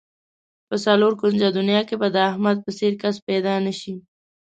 په څلور کونجه دنیا کې به د احمد په څېر کس پیدا نشي.